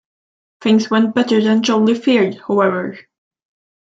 Things went better than Jolie feared, however.